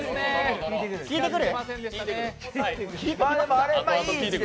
効いてくる？